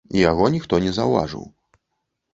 Яго ніхто не заўважыў.